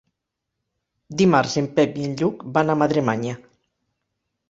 Dimarts en Pep i en Lluc van a Madremanya.